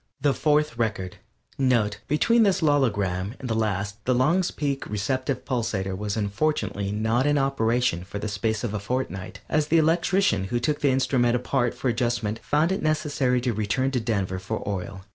THE FOURTH RECORD (NOTE: _Between this logogram and the last the Long's Peak Receptive Pulsator was unfortunately not in operation for the space of a fortnight, as the electrician who took the instrument apart for adjustment found it necessary to return to Denver for oil.